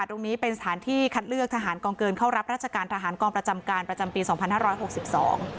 ตรงนี้เป็นสถานที่คัดเลือกทหารกองเกินเข้ารับราชการทหารกองประจำการประจำปีสองพันห้าร้อยหกสิบสอง